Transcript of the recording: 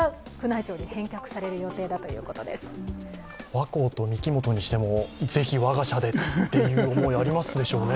和光とミキモトにしても是非我が社で！って思いはありますでしょうね。